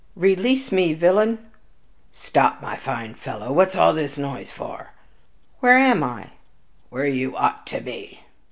"Release me, villain!" "Stop, my fine fellow, what's all this noise for?" "Where am I?" "Where you ought to be."